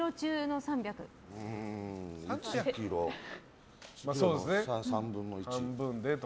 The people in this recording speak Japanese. ３分の１。